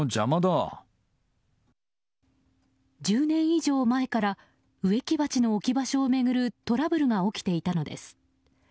１０年以上前から、植木鉢の置き場所を巡るトラブルが起きていたのです。